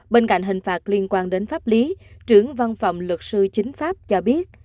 bên cạnh hình phạt liên quan đến pháp lý trưởng văn phòng luật sư chính pháp cho biết